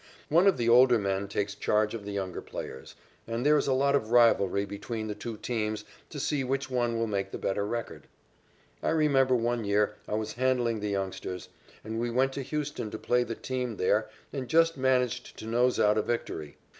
One of the older men takes charge of the younger players, and there is a lot of rivalry between the two teams to see which one will make the better record, I remember one year I was handling the youngsters, and we went to Houston to play the team there and just managed to nose out a victory.